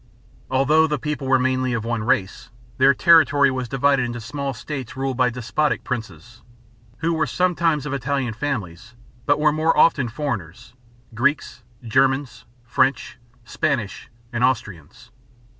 Although the people were mainly of one race, their territory was divided into small states ruled by despotic princes, who were sometimes of Italian families, but more often were foreigners Greeks, Germans, French, Spanish, and Austrians.